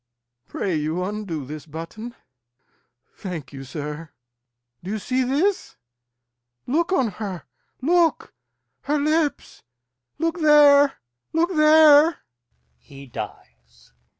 Pray you undo this button. Thank you, sir. Do you see this? Look on her! look! her lips! Look there, look there! He dies.